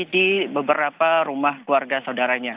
di beberapa rumah keluarga saudaranya